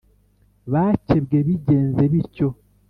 bakebwe Bigenze bityo